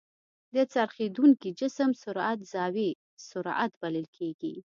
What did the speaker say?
د څرخېدونکي جسم سرعت زاويي سرعت بلل کېږي.